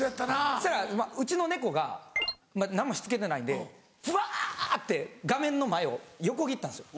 そしたらうちの猫がまぁ何もしつけてないんでズバって画面の前を横切ったんですよ。